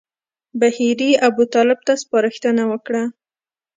بهیري ابوطالب ته سپارښتنه وکړه.